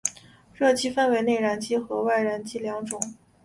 热机分为内燃机和外燃机两种。